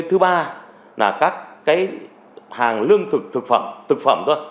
thứ ba là các hàng lương thực thực phẩm